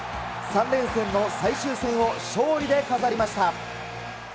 ３連戦の最終戦を勝利で飾りました。